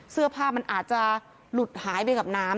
เสื้อผ้ามันอาจจะหลุดหายไปกับน้ำ